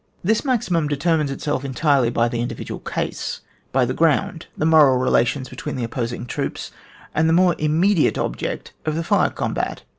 This maximum determines itself entirely by the individual case, by the ground, the moral relations between the opposing troops, and the more immediate object of the fire combat.